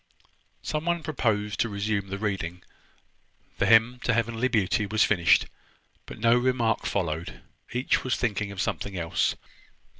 Some one proposed to resume the reading. The `Hymn to Heavenly Beauty' was finished, but no remark followed. Each was thinking of something else.